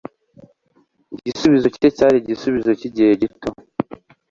Igisubizo cye cyari igisubizo cyigihe gito.